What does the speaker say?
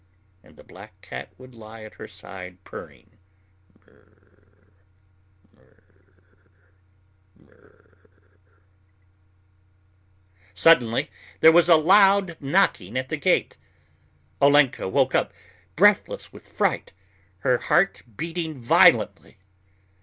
And the black cat would lie at her side purring: "Mrr, mrr, mrr." Suddenly there was a loud knocking at the gate. Olenka woke up breathless with fright, her heart beating violently.